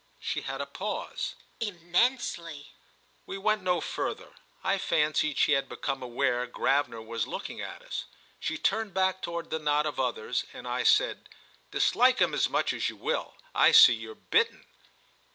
She had a pause. "Immensely." We went no further; I fancied she had become aware Gravener was looking at us. She turned back toward the knot of the others, and I said: "Dislike him as much as you will—I see you're bitten."